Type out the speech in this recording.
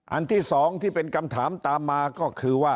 อันที่๒ที่เป็นคำถามตามมาก็คือว่า